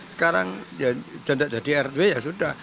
sekarang janda jadi rw ya sudah